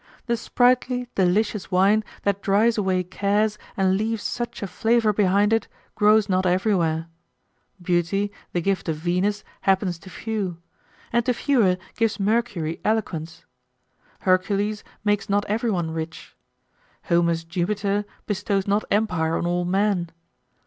The sprightly delicious wine that drives away cares and leaves such a flavor behind it grows not everywhere. Beauty, the gift of Venus, happens to few; and to fewer gives Mercury eloquence. Hercules makes not everyone rich. Homer's Jupiter bestows not empire on all men.